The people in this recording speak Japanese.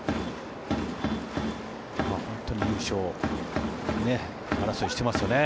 本当に優勝争いしてますよね。